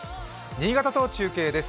新潟と中継です。